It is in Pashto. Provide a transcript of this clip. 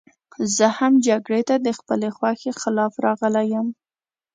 زه هم جګړې ته د خپلې خوښې خلاف راغلی یم